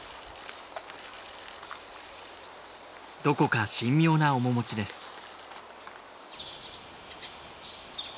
どこか神妙な面持ちです